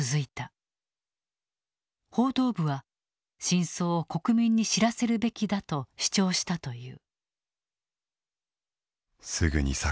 報道部は真相を国民に知らせるべきだと主張したという。